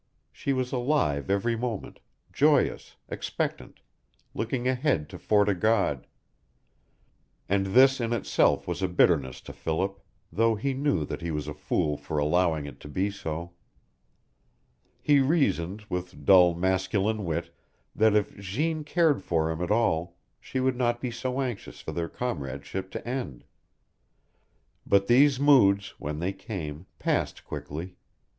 She was alive every moment, joyous, expectant, looking ahead to Fort o' God; and this in itself was a bitterness to Philip, though he knew that he was a fool for allowing it to be so. He reasoned, with dull, masculine wit, that if Jeanne cared for him at all she would not be so anxious for their comradeship to end. But these moods, when they came, passed quickly.